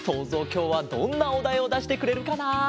きょうはどんなおだいをだしてくれるかな？